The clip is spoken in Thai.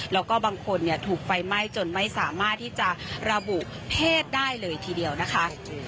แล้วก็บางคนถูกไฟไหม้จนไม่สามารถที่จะระบุเพศได้เลยทีเดียวนะคะ